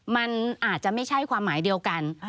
มันอาจจะไม่ใช่ความหมายเดียวกัน